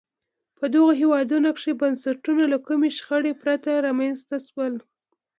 په دغو هېوادونو کې بنسټونه له کومې شخړې پرته رامنځته شول.